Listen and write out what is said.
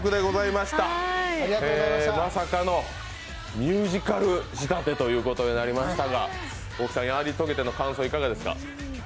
まさかのミュージカル仕立てということになりましたが、大木さん、やり遂げての感想いかがですか。